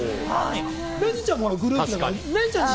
れにちゃんもグループだから。